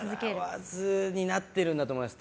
洗わずになってるんだと思います。